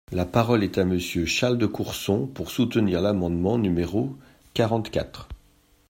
La parole est à Monsieur Charles de Courson, pour soutenir l’amendement numéro quarante-quatre.